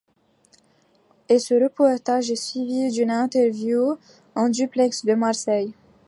Et ce reportage est suivi d'une interview en duplex de Marseille.